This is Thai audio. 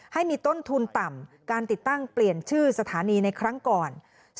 ให้มีต้นทุนต่ำการติดตั้งเปลี่ยนชื่อสถานีในครั้งก่อน